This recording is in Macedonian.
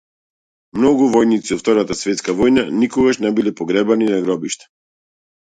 Многу војници од Втората светска војна никогаш не биле погребани на гробишта.